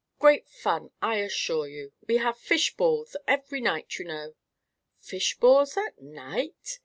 "Great fun, I assure you! We have fish balls every night, you know." "Fish balls at night!"